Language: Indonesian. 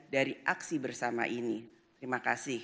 dari aksi bersama ini terima kasih